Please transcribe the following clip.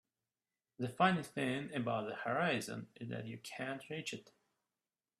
The funny thing about the horizon is that you can't reach it.